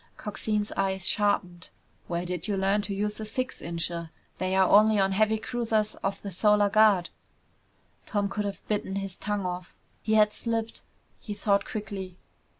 Coxine's eyes sharpened. "Where did you learn to use a six incher? They're only on heavy cruisers of the Solar Guard!" Tom could have bitten his tongue off. He had slipped. He thought quickly.